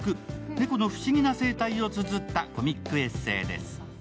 猫の不思議な生態をつづったコミックエッセイです。